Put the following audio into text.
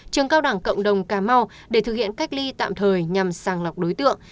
trường cao đẳng cộng đồng cà mau để thực hiện cách ly tạm thời nhằm sàng lọc đối tượng